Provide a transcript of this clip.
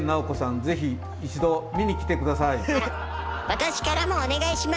私からもお願いします！